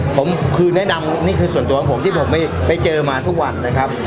ผมคือแนะนำนี่คือส่วนตัวของผมที่ผมไปเจอมาทุกวันนะครับ